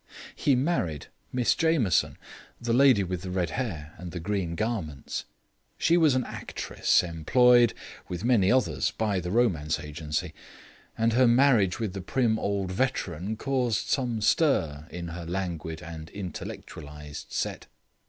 He married Miss Jameson, the lady with the red hair and the green garments. She was an actress, employed (with many others) by the Romance Agency; and her marriage with the prim old veteran caused some stir in her languid and intellectualized set.